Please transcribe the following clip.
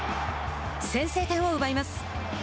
先制点を奪います。